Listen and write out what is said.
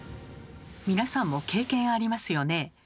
皆さんも経験ありますよね。